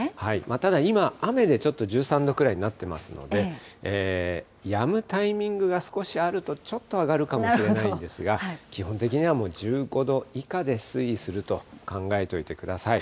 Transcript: ただ、今、雨で、ちょっと１３度くらいになってますので、やむタイミングが少しあると、ちょっと上がるかもしれないんですが、基本的にはもう１５度以下で推移すると考えておいてください。